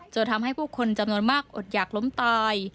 จนทำให้ผู้คนจำนวนมากอดอยากล้มตาย